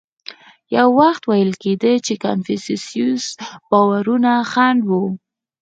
یو وخت ویل کېدل چې کنفوسیوس باورونه خنډ و.